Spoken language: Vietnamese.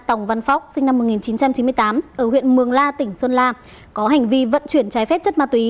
tòng văn phóng sinh năm một nghìn chín trăm chín mươi tám ở huyện mường la tỉnh sơn la có hành vi vận chuyển trái phép chất ma túy